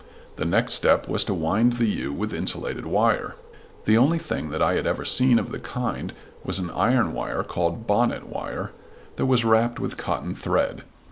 The next step was to wind the U with insulated wire. The only thing that I had ever seen of the kind was an iron wire called "bonnet" wire that was wrapped with cotton thread.